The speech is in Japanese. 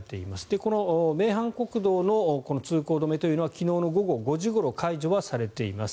この名阪国道の通行止めというのは昨日の午後５時ごろ解除はされています。